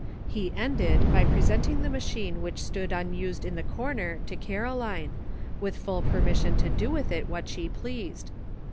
He ended by presenting the machine which stood unused in the corner to Caroline, with full per mission to do with it what she pleased.